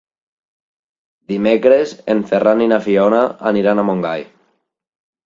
Dimecres en Ferran i na Fiona aniran a Montgai.